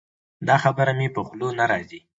دا خبره مې په خوله نه راځي.